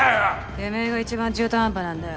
てめぇがいちばん中途半端なんだよ。